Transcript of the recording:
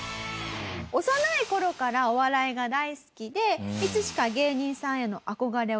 幼い頃からお笑いが大好きでいつしか芸人さんへの憧れを抱くようになったと。